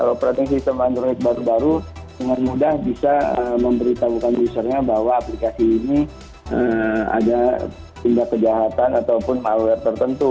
kalau protein sistem android baru baru dengan mudah bisa memberitahukan usernya bahwa aplikasi ini ada tindak kejahatan ataupun malware tertentu